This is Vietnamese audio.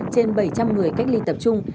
trên bảy trăm linh người cách ly tập trung